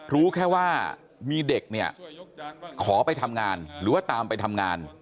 รู้แค่ว่ามีเด็กเนี่ยขอไปทำงานหรือว่าตามไปทำงาน